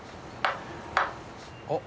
「あっ！